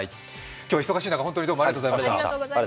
今日はお忙しい中、本当にありがとうございました。